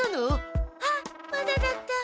あっまだだった。